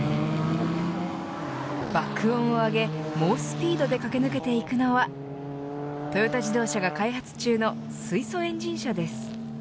爆音をあげ猛スピードで駆け抜けていくのはトヨタ自動車が開発中の水素エンジン車です。